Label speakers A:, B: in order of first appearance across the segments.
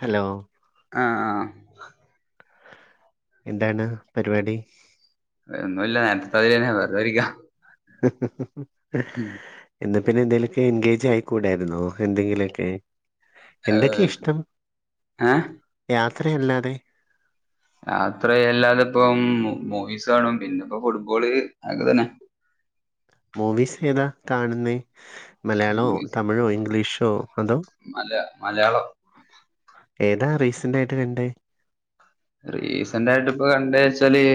A: Hello.
B: ആഹ് ആഹ്.
A: എന്താണ് പര് വാടി.
B: ഒന്നുല്ല ഞാനിപ്പങ്ങനെ വെറുതരിക്ക
A: ഹ് ഹ് ഹ് ഹ
B: മ്മ്.
A: എന്ന പിന്നെ എന്തേലൊക്കെ എൻഗേജ് ആയിക്കൂടായ്രുന്നോ എന്തെങ്കിലൊക്കെ. എന്തൊക്കെ ഇഷ്ട്ടം
B: ഏഹ്
A: യാത്രയല്ലാതെ.
B: യാത്രയല്ലാതെ ഇപ്പം മു മൂവീസ് കാണും പിന്നെ ഇപ്പൊ ഫുട്ബോള് അതൊക്കെ തന്നെ.
A: മൂവീസ് ഏതാ കാണുന്നെ മലയാളോ തമിഴോ ഇംഗ്ലീഷോ അതോ.
B: അല്ല മലയാളം.
A: ഏതാ റീസന്റായിട്ട് കണ്ടേ.
B: റീസെന്റായ്ട്ട് ഇപ്പ കണ്ടേവെച്ചാല്.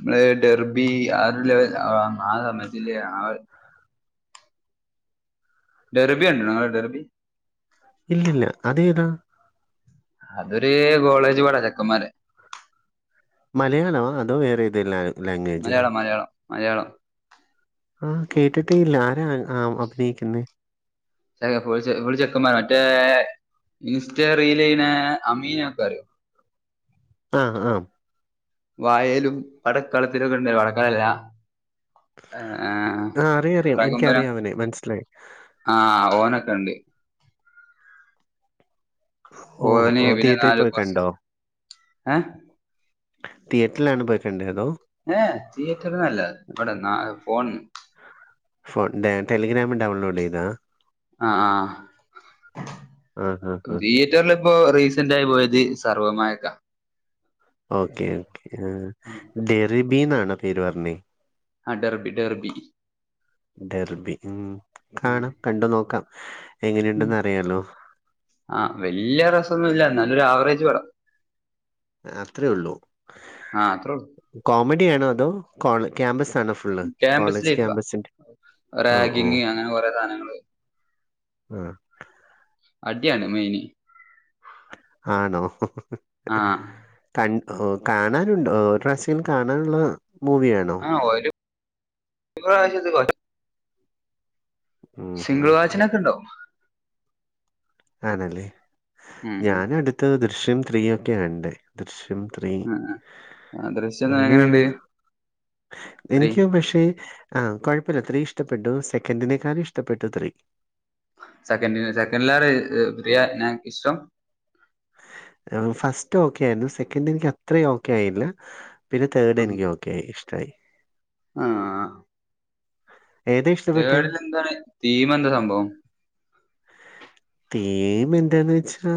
B: മ്മളെ ഡെർബി ആരൂല്യ ആ ആസമയത്തില്ല [unintelligible] ഡെർബി കണ്ട്‌ണോങ്ങള് ഡെർബി.
A: ഇല്ലില്ല അതേ താ.
B: അതൊരു കോളേജ് പടാ ചെക്കന്മാരെ
A: മലയാളൊവൊ അതോ വേറെതെല് ലാ ലാംഗ്വേജാ-
B: മലയാളം മലയാളം മലയാളം
A: ആഹ് കേട്ടിട്ടേയില്ല ആരാ ആ അഭിനയിക്കുന്നെ
B: [unintelligible] ഫുൾ ചെക്ക ഫുൾ ചെക്കൻമാ മറ്റേ ഇൻസ്റ്റ റീലിനെ അമീനൊക്കെ അറിയൊ?
A: ആഹ് ആഹ്.
B: വായേലും പടക്കളത്തിലൊക്കെണ്ടേനു പടക്കളല. ഏഹ്
A: ആ അറിയാം അറിയാം
B: പ്രകമ്പനം
A: എനിക്കറിയാം അവനെ മനസ്സിലായി
B: ആഹ് ഓനക്കണ്ട്. ഓന്
A: ഓഒ
B: പിന്നെ
A: തിയട്രി
B: നാല് കുറച്ച്
A: പോയ്കണ്ടോ?
B: ഏഹ്
A: തിയറ്റിലാണോ പോയ്ക്കണ്ടേ അതോ.
B: ഏഹ തിയേറ്റർന്നല്ല ഇവ്ടെ ന്ന ഫോൺന്ന്.
A: ഫോൺ ടെ ടെലിഗ്രാമന്ന് ഡൗൺലൊഡെയ്താ.
B: ആഹ ആഹ്
A: ആ ആ ആ
B: പുതി തിയറ്റർലിപ്പൊ റീസന്റായ് പോയത് സർവ്വമായക്ക.
A: ഓക്കേ ഓക്കേ ആഹ്.
B: ആഹ.
A: തെറീബീന്നാണോ പേര് പർഞ്.
B: ആ ഡർബി ഡർബി.
A: ഡർബി ഉം കാണാം കണ്ടു നോക്കാം എങ്ങനെയുണ്ടെന്ന് അറിയാലോ
B: ആഹ് വല്യ രസൊന്നുല്ലന്നാല്ലൊരു ആവറേജ് പടം
A: ആ അത്രെഒള്ളൂ.
B: ആഹ അത്രോള്ളു.
A: കോമഡി ആണോ അതോ കോൾ ക്യാമ്പസാണോ ഫു ഉള്ള്
B: ക്യാമ്പസ്
A: കോളേജ്
B: ലൈഫാ
A: ക്യാമ്പസിന്റെ ഓ ഓഹ്.
B: റാഗിങ് അങ്ങനെ കൊറേ സാധനങ്ങള്
A: ആഹ്.
B: അടിയാണ് മെയ്ന്.
A: ആണോ ഹ് ഹ്.
B: ആഹ്
A: കൺ ഓ കാണാനുണ്ടൊ ഒരുറാഷ്യങ്കിലും കാണാനുള്ള മൂവിയാണോ.
B: ആ ഒരും [unintelligible] പ്രാവശ്യൊക്കെ.
A: ഉം
B: സിംഗിൾ
A: ഉം ഉം
B: വാച്ചിനൊക്കെ ഇണ്ടാവും.
A: ആണല്ലേ
B: ഉം
A: ഞാനടുത്ത് ദൃശ്യം ത്രീ ഒക്ക്യാകണ്ടേ. ദൃശ്യം ത്രീ
B: ഉം ആഹ് ദൃശ്യം
A: അങ്ങനെയ
B: എങ്ങനെയുണ്ട് ത്രീ
A: എനിക്കും പഷേ. ആഹ് കുഴപ്പമില്ല ത്രീ ഇഷ്ടപ്പെട്ടു. സെക്കൻറിനേക്കാളും ഇഷ്ടപ്പെട്ടു ത്രീ
B: സെക്കൻ സെക്കൻഡിലാർ ത്രീ ക്ക് ഇഷ്ടം
A: ഫസ്റ്റ് ഓക്കെ ആയിരുന്നു സെക്കൻഡ് എനിക്ക് അത്രയും ഓക്കെ ആയില്ല പിന്നെ തേർഡ്
B: ആഹ്
A: എനിക്ക് ഓക്കെ ഓക്കെ ഇഷ്ടായി
B: ആഹ്
A: ഏതാ ഇഷ്ടപ്പെട്ടെ
B: തേഡിലെന്താണ് തീമ് എന്താ സംഭവം
A: തീം എന്താന്ന് വെച്ചാ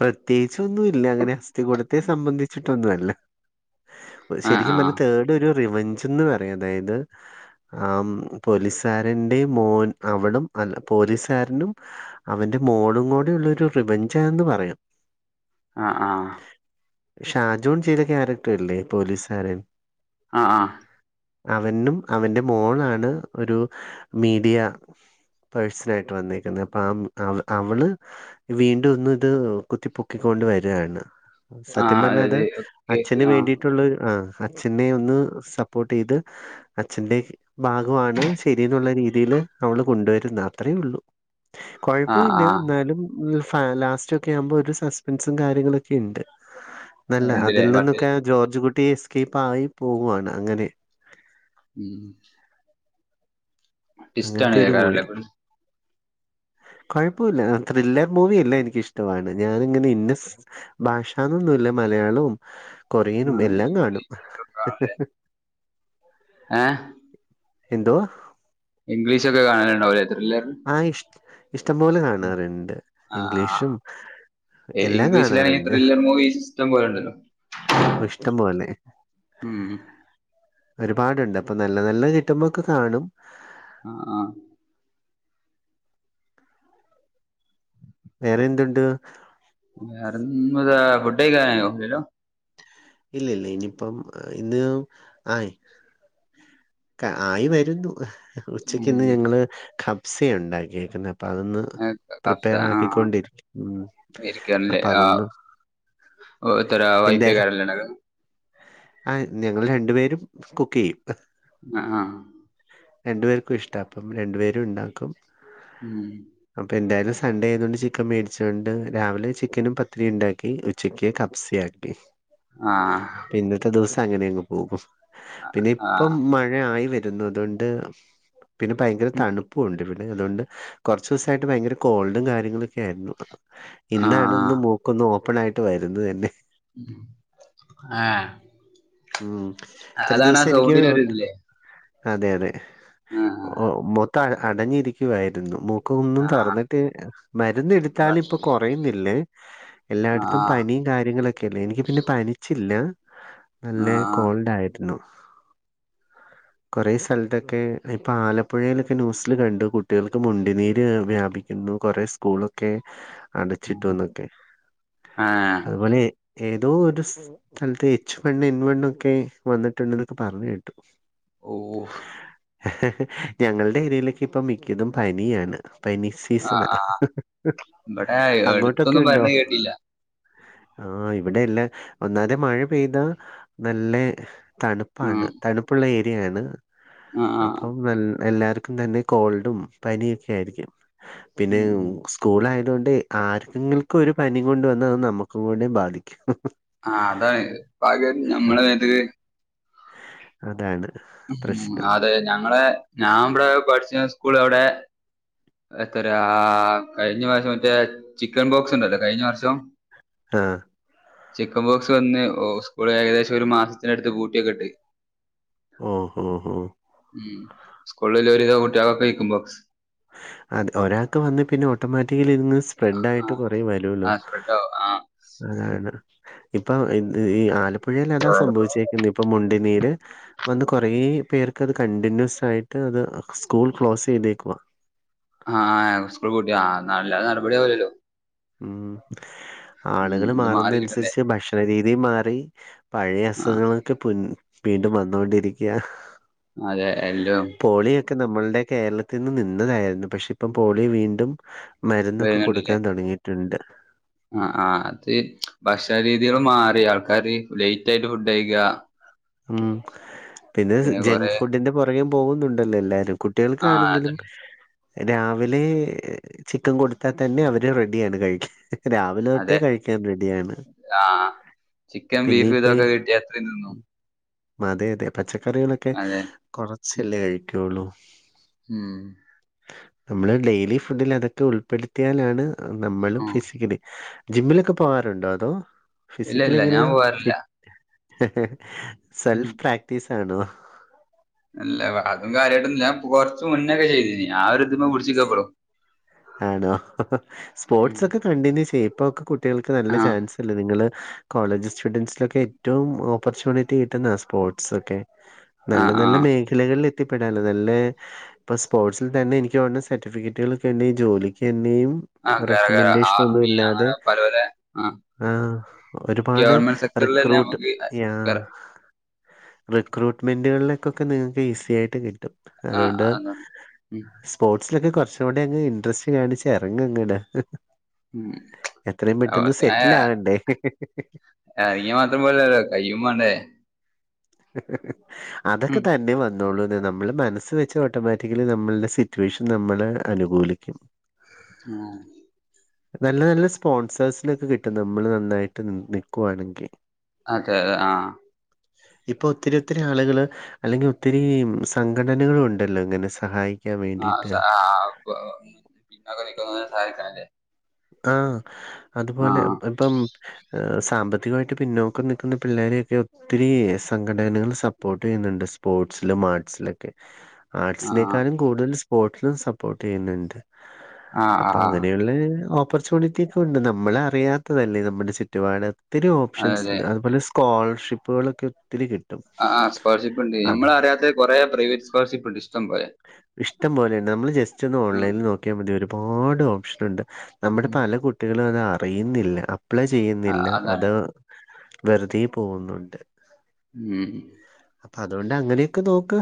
A: പ്രത്യേകിച്ചന്നും ഇല്ല അങ്ങനെ അസ്ഥി കൂടത്തെ സംബന്ധിച്ചിട്ട് ഒന്നല്ല
B: ആഹ്
A: ശരിക്കും പറഞ്ഞ
B: ആഹ്
A: തേഡ് ഒരു റിവഞ്ച്ന്ന് പറയാം അതായത് ആ പോലീസുകാരന്റെ മോൻ അവളും അല്ല പോലീസുകാരനും അവന്റെ മോളും കൂടെ ഉള്ള ഒരു റിവഞ്ചാണെന്ന് പറയാം
B: അഹ് ആഹ്
A: ഷാജോൺ ചെയ്ത ക്യാരക്ടർല്ലേ പോലീസുകാരൻ
B: ആഹ് ആഹ്
A: അവനും അവന്റെ മോളാണ് ഒരു മീഡിയ പേഴ്സണായിട്ട് വന്നിരിക്കുന്നത് അപ്പം ആ അവ അവള് വീണ്ടും ഒന്നും ഇത് കുത്തിപ്പൊക്കിക്കൊണ്ട് വരാണ് സത്യം
B: ആഹ്
A: പറഞ്ഞാ അത്
B: അതായത് കേസ്
A: അച്ഛന്
B: ആഹ്
A: വേണ്ടിയിട്ടുള്ള ഒരു അ അച്ഛനെ ഒന്ന് സപ്പോർട്ട് ചെയ്ത് അച്ഛന്റെ ഭാഗമാണ് ശരി എന്നുള്ള രീതിൽ അവള് കൊണ്ടുവരുന്നു അത്രേ ഉള്ളൂ
B: ആഹ്
A: കുഴപ്പല്ല
B: ആഹ്
A: എന്നാലും ഉ ലാസ്റ്റൊക്കെ ആവുമ്പോ ഒരു സസ്പെൻസും കാര്യങ്ങളൊക്കെ ഉണ്ട് നല്ല
B: ഉണ്ടല്ലേ
A: അതിൽ
B: പാട്ട്
A: നിന്നൊക്കെ ജോർജ് കുട്ടി എസ്കേപ്പ് ആയി പോവാണ് അങ്ങനെ
B: ഉം ട്വിസ്റ്റ് ആണ്
A: അങ്ങനത്തെരു മൂവി
B: കേൾക്കാറല്ലേ
A: കുഴപ്പമില്ല ത്രില്ലർ മൂവിയെല്ലാം എനിക്കിഷ്ടമാണ് ഞാനിങ്ങനെ ഇന്ന ഭാഷന്നൊന്നുല്ല മലയാളവും കൊറിയനും
B: ആഹ്
A: എല്ലാം കാണും
B: ഏ
A: എന്തുവാ
B: ഇംഗ്ലീഷ്ഒക്കെ കാണലുണ്ടാവും ലെ ത്രില്ലെർ
A: ആഹ് ഇഷ്ടം പോലെ കാണാറുണ്ട് ഇംഗ്ലീഷും എല്ലാം
B: ഇംഗ്ലീഷിലാണെങ്കി
A: കാണാറുണ്ട്
B: ത്രില്ലർ മൂവി ഇഷ്‌ടം പോല ഉണ്ടല്ലോ
A: ഇഷ്ടം പോലെ
B: ഉം
A: ഒരുപാടുണ്ട് അപ്പൊ നല്ല നല്ല കിട്ടുമ്പോക്കെ കാണും
B: ആഹ് ആഹ്
A: വേറെ എന്തുണ്ട്
B: വേറൊ ഫുഡ് കഴിക്കാനായോ ഇല്ലല്ലോ
A: ഇല്ല ഇല്ല ഇനിയിപ്പം ഇന്ന് ആയി ആയി വരുന്നു ഉച്ചക്കിന്ന്
B: ഉം
A: ഞങ്ങള് ഖബ്സ ഉണ്ടാക്കിയേക്കുന്നു അപ്പൊ അതൊന്ന്
B: കബ്സ
A: പ്രിപ്പയർ
B: ആഹ് ആഹ്
A: ആക്കിക്കൊണ്ടിരിക്ക ഉം അപ്പൊ അതൊന്ന്
B: [inaudible] വൈഫകാരലെ ഉണ്ടാക്കാ
A: ആഹ് ഞങ്ങൾ രണ്ടു പേരും കുക്ക് ചെയ്യും
B: ആഹ് ആഹ്
A: രണ്ടു പേർക്കും ഇഷ്ട അപ്പം രണ്ടു പേരും ഇണ്ടാക്കും
B: ഉം
A: അപ്പൊ എന്തായാലും സൺഡേ ആയതുകൊണ്ട് ചിക്കൻ മേടിച്ചൊണ്ട് രാവിലെ ചിക്കനും പത്തിരി ഉണ്ടാക്കി ഉച്ചക്ക് സയാക്കി
B: ആഹ്
A: ഇന്നത്തെ ദിവസം അങ്ങനെയങ്ങ് പോകും. പിന്നെ ഇപ്പം
B: ആഹ്
A: മഴ ആയി വര അതുകൊണ്ട് പിന്നെ ഭയങ്കര തണുപ്പുണ്ട് ഇവിടെ അതുകൊണ്ട് കുറച്ച ദിവസായിട്ട് ഭയങ്കര കോൾഡും കാര്യങ്ങളൊക്കെ ആയിരുന്നു ഇന്നാണ്
B: ആഹ്
A: ഇന്ന്മോ ഒന്ന് ഓപ്പൺ ആയിട്ട് വരുന്നതന്നെ.
B: ഉം. ആഹ്.
A: ഉം ഇത്ര
B: അതാണ് ആ
A: ദിവസം എനിക്ക്
B: സൗണ്ടിനൊരു
A: ഒട്ട
B: ഇതില്ലേ
A: അതെ അതെ.
B: ആഹ്
A: ഓ മൊത്തം അടഞ്ഞിരിക്കുവായിരുന്നു മൂ ക്ക ഒന്നും
B: ആഹ്
A: തറന്നിട്ട് മരുന്ന് എടുത്താല
B: ഭക്ഷ
A: ഇപ്പൊ കൊറയുന്നില്ലേ. എല്ലായിടത്തും
B: ആഹ്
A: പനിയും കാര്യങ്ങളൊക്കെല്ലേ എനിക്ക് പിന്നെ പനിച്ചില്ല. നല്ല
B: ആഹ്
A: കോൾഡ്യരുന്നു. കുറെേ സ്ഥലത്തൊക്കെ ഇപ്പൊ ആലപ്പുഴയിലൊക്കെ ന്യൂസിൽ കണ്ടു കുട്ടോൾക്ക് മുണ്ടിനീര് വ്യാപിക്ക ഇന്നും കൊറെ സ്കൂളൊക്കെ അടച്ചിട്ടുംന്നൊക്കെ
B: ആഹ്
A: അതുപോലെ ഏതോ ഒരു സ്ഥലതേ പെണ്ണ് [unintelligible] എൻവനൊക്കെ വന്നിട്ടുണ്ടതൊക്കെ പറഞ്ഞു കേട്ടു.
B: ഓഹ്.
A: ഞങ്ങളുടെ ഏരിയയിലൊക്കെ ഇപ്പ മിക്കതും പനിയാണ് പനി സനാ
B: ആഹ് ഇവിടെ
A: അങ്ങോട്ടൊക്കെ
B: എടുത്തൊന്നും
A: ഉണ്ടോ?
B: പറഞ്ഞ് കേട്ടില്ല
A: ആ ഇവിടെയല്ല ഒന്നാതെ മഴ പെയ്താ നല്ല തണുപ് പ്പാണ്
B: ഉം
A: തണുപ്പുള്ള ഏരിയയാണ്
B: ആഹ് ആഹ്
A: അപ്പം എല്ലാവർക്കും തന്നെ. കോൾഡും പനിയൊക്കെ ആയിരിക്കും പിന്നെ
B: ഉം
A: സ് സ്കൂൾ ആയതു കൊണ്ട് ആർക്കെങ്കക്കും ഒരു പനി കൊണ്ട് വന്നാ അത് നമുക്കും കൂടി ബാധിക്കും.
B: ആഹ അതാണ് പ്പകരും നമ്മളെ
A: ആഹ്
B: മേത്ത്ക്.
A: അതാണ്.
B: ഉ
A: പ്രശ്നം
B: അതെ ഞങ്ങള് ഞാൻ ഇവടെ പഠിച്ച സ്കൂൾ അവിടെ. എത്ര ആ കഴിഞ്ഞ വർഷം മറ്റേ ചിക്കൻ ബോക്സ് ഉണ്ടല്ലോ കഴിഞ്ഞ വർഷം.
A: ആഹ്
B: ചിക്കൻ ബോക്സ് വന്ന് ഓ സ്കൂൾ ഏകദേശം ഒരു മാസത്തിന അടുത്ത് ബൂട്ടിയൊക്കെ ഇട്ട്.
A: ഓ ഹോ ഹോ.
B: സ്കൂളിൽ ഒരുവിത കുട്ട്യാകൊകെ ചിക്കെൻ ബോക്സ്.
A: അതെ ഒരാൾക്ക് വന്ന് പിന്നെ ഓട്ടോമാറ്റിക്കലി ഇത് ങ്ങനെ സ് ഫ്രെഡ ആയിട്ട് കൊറേ വരൂല്ലോ.
B: ആ സ്പ്രെഡ് ആവും ആ
A: അതാണ് ഇപ്പൊ ഇ ഈ ആലപ്പുഴൽ അതാ സംഭവിച്ചേരിക്കുന്നു ഇപ്പൊ മുണ്ടിനീര്. വന്ന് കുറ പേർക്ക് അത് കണ്ടിന്യൂസ് ആയിട്ട് അത് സ്കൂൾ ക്ലോസ് ചെയ്തേക്കവാ.
B: ആഹഹ സ്കൂൾ കൂട്ടിയ ആ നല്ല നടപടി ആവൂല്ലല്ലോ.
A: ഉം
B: ഉം,
A: ആളുകൾ
B: ഇത് മാറി
A: മാറുന്ന
B: കിട്ടണ്ടേ
A: അനുസരിച്ച് ഭക്ഷ ഭക്ഷണ രീതിൽ മാറി പഴയ
B: ആ
A: അസുഖങ്ങളൊക്കെ വീണ്ടും വന്നൊണ്ടിരിക്ക
B: അതെ എല്ലേ.
A: പോളിയൊക്കെ നമ്മളുടെ കേരളത്തിൽ നിന്ന് നിന്നതായിരുന്നു പക്ഷെ ഇപ്പം പോളി വീണ്ടും. മരുന്നൊക്കെ കൊടുക്കാൻ തുടങ്ങിയിട്ടുണ്ട്.
B: ആഹ് ആഹ് അത് ഭക്ഷണ രീതികള് മാറി ആൾക്കാര് ലേറ്റ് ആയിട്ട് ഫുഡ് കൈക.
A: ഉം പിന്നെ ജങ്ക് ഫുഡിന്റെ പുറകേ പോകുന്നുണ്ടല്ലോ എല്ലാരും.
B: ആ
A: കുട്ടോൾക്കാണെങ്കിലും.
B: അതന്നെ.
A: രാവിലെ ചിക്കൻ കൊടുത്താൽ തന്നെ അവരെ റെഡിയാണ് കഴിക്ക രാവിലെ തൊട്ടേ കഴിക്കാൻ റെഡിയാണ്.
B: ആഹ്. ചിക്കൻ
A: പിന്നെ
B: ബീഫും
A: ഇപ്പൊ ഈ
B: ഇതൊക്കെ കിട്ടിയ തിന്നും.
A: അതെ അതെ പച്ചക്കറികളൊക്കെ
B: അതെ ഉം.
A: കുറച്ചല്ലേ കഴിക്കുള്ളൂ.
B: ഉം.
A: നമ്മള് ഡെയിലി ഫുഡിൽ അതൊക്കെ ഉൾപ്പെടുത്തിയാലാണ്. നമ്മൾ
B: ആ.
A: ഫിസിക്കലി ജിമ്മിലൊക്കെ പോവാാറുണ്ടോ അതോ
B: ഇല്ല
A: ഫിസിക്കലി
B: ഇല്ല
A: എങ്ങനെയ
B: ഞാൻ പോവാറില്ല
A: ഫിറ്റ്
B: ഉം.
A: സെൽഫ് പ്രാക്ടീസ് ആണോ
B: അല്ല അതും കാര്യമായിട്ടൊന്നുല്ല. കുറച്ച് മുന്നൊക്കെ ചെയ്തീനി ആ ഒരു ഇതിമ പിടിച്ക്ക ബ്രോ
A: ആണോ സ്പോർട്സ് ഒക്കെ കണ്ടിന്യൂ ചെയ്യപ്പ ഒക്കെ കുട്ടികൾക്ക് നല്ല
B: ആ
A: ചാൻസ്ല്ലേ നിങ്ങള് കോളേജ് സ്റ്റുഡന്റസിലൊക്കെ ഏറ്റവും ഓപ്പർച്യൂണിറ്റി കിട്ടുന്ന സ്പോർട്സ് ഒക്കെ
B: ആ
A: നല്ല
B: ആ
A: നല്ല മേ ചിലകളിൽ എത്തിപ്പെടാനല്ലോ നല്ല ഇപ്പൊ സ്പോർട്സിൽ തന്നെ എനിക്ക് തോന്നുണു സർട്ടിഫിക്കറ്റുകൾൊക്കെ ഉണ്ടെ ജോലിക്കന്നെയും
B: ആ കേറ കേറ
A: റെക്കമെന്റേഷനന്നും
B: ആർമി
A: ഇല്ലാതെ
B: അങ്ങനെ പല പല ആ
A: ആഹ് ഒരുപാട്
B: ഗവൺമെന്റ് സെക്ടറിലെല്ലാം
A: റിക്രൂട്ട്
B: നമുക്ക് കേറാം
A: റിക്രൂട്ട്മെൻ്കളിലേക്കൊക്കെ നിങ്ങൾക്ക് ഈസി ആയിട്ട് കിട്ടും
B: ആ
A: അതുകൊണ്ട്
B: ആ അതാ. ഉം.
A: സ്പോർട്സിലൊക്കെ കുറച്ചുകൂടെ അങ്ങ് ഡ്രസ്സ്‌ കാണിച്ച ഇറങ്ങങ്ങനെ
B: ഉം.
A: എത്രയും പെട്ടെന്ന് സെറ്റിൽ ആകണ്ടേ
B: എറങ്ങിയ മാത്രം പോലല്ലോ കയ്യും വാണ്ടേ
A: അതൊക്കെ
B: ഉം.
A: തന്നെ വന്ന നമ്മുടെ മനസ്സ് വെച്ച് ഓട്ടോമാറ്റിക്കലി നമ്മളുടെ സിറ്റുവേഷൻ നമ്മള് അനുകൂലിക്കും
B: ഉം
A: നല്ല നല്ല സ്പോൺസേഴ്സിനൊക്കെ കിട്ടും നമ്മള് നന്നായിട്ട് നൽക്കുവാണെങ്കിൽ
B: അതെ ആഹ്
A: ഇപ്പൊ ഒത്തിരി ഒത്തിരി ആളുകള് അല്ലെങ്കിൽ ഒത്തിരി സംഘടനകളും ഉണ്ടല്ലോ ഇങ്ങനെ സഹായി
B: ആഹ് ആ [unintelligible] സഹായിക്കണംല്ലേ
A: ആഹ് അതുപോലെ ഇപ്പം സാമ്പത്തികമായിട്ട് പിന്നോക്കം നിൽക്കുന്ന പിള്ളോരെയൊക്കെ ഒത്തിരി സംഘടനകൾ സപ്പോർട്ട് ചെയ്യുന്നുണ്ട് സ്പോർട്സിലും ആർട്സിലൊക്കെ
B: ആ
A: ആർട്സിനെക്കാളും കൂടുതൽ സ്പോർട്സിലും സപ്പോർട്ട് ചെയ്യുന്നുണ്ട്
B: ആ ആ
A: അപ്പൊ
B: ആ
A: അങ്ങനെയുള്ള ഓപ്പർച്യൂണിറ്റിക്കെ ഉണ്ട് നമ്മള അറിയാത്തതല്ലേ നമ്മുടെ ചുറ്റുപാട് ഒത്തിരി
B: അതെ
A: ഓപ്ഷൻസ്
B: അതെ
A: ഉണ്ട് അതുപോലെ സ്കോളർഷിപ്പുകളൊക്കെ ഒത്തിരി കിട്ടും
B: ആഹ് ആ സ്കോളർഷിപ്പ്ണ്ട്.
A: അത്
B: നമ്മള അറിയാത്ത കൊറെ പ്രൈവറ്റ് സ്കോളർഷിപ്പ്ണ്ട് ഇഷ്ട പോലെ
A: ഇഷ്ടം പോലെയണ്ട് നമ്മള് ജസ്റ്റ് ഒന്ന്
B: ഉം.
A: ഓൺലൈനിൽ നോക്കിയാൽ മതി ഒരുപാട് ഓപ്ഷൻ ഉണ്ട് നമ്മുടെ
B: ഉം.
A: പല കുട്ടികളും അത് അറിയുന്നില്ല അപ്ലൈ
B: ആ
A: ചെയ്യുന്നില്ല
B: അതാണ്
A: അത് വെറുതെ പോവുന്നുണ്ട്
B: ഉം
A: അപ്പൊ അതുകൊണ്ട് അങ്ങനെയൊക്കെ നോക്ക്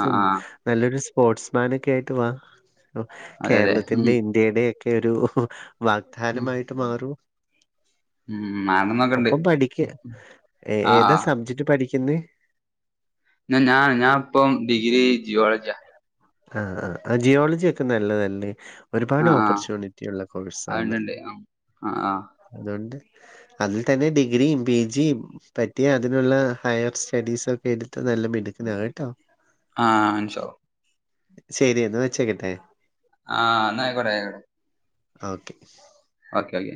B: ആ ആ
A: നല്ലൊരു സ്പോർട്സ്മാൻ ഒക്കെ ആയിട്ട് വാ
B: അതെ അതെ ഉം
A: കേരളത്തിന്റെ ഇന്ത് ഇടെക്കെ ഒരു
B: ഉം
A: വാഗ്ദാനമായിട്ട് മാറൂ
B: ഉം ആണെന്നൊക്കെ ഉണ്ട്
A: ഒപ്പം പഠിക്ക ഏ
B: ആ
A: ഏതാ
B: ആ
A: സബ്ജക്ട് പഠിക്കുന്നത്
B: ന്താ ഞാൻ ഞാൻ ഇപ്പം ഡിഗ്രി ജിയോളജിയാ
A: ആഹ് ആഹ് ആ ജിയോളജി ഒക്കെ നല്ലതല്ല
B: ആ
A: ഒരുപാട്
B: ആ
A: ഓപ്പർച്യൂണിറ്റിള്ള
B: ആ ഉണ്ട്
A: കോഴ്സണ്
B: ഉണ്ട് ആ ആ
A: അതുകൊണ്ട് അതിൽ തന്നെ ഡിഗ്രിയും പിജിയും പറ്റിയ അതിനുള്ള ഹയർ സ്റ്റഡീസ് ഒക്കെ എടുത്ത് നല്ല മിടുക്കനാവാ ട്ടോ
B: ആഹ് ഇന്ഷാ അല്ലാഹ്
A: ശരിയന്ന് വെച്ചക്കട്ടെ
B: ആഹ് ന്ന ആയിക്കോട്ടെ ആയിക്കോട്ടെ
A: ഓക്കെ
B: ഒക്കെ ഓക്കേ